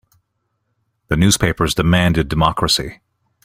The newspapers demanded democracy.